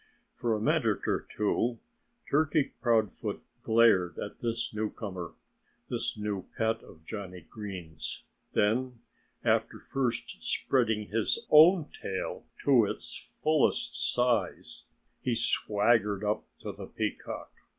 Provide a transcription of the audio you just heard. For a minute or two Turkey Proudfoot glared at this newcomer this new pet of Johnnie Green's. Then, after first spreading his own tail to its fullest size, he swaggered up to the peacock.